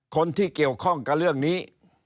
คนที่เกี่ยวข้องกับเรื่องนี้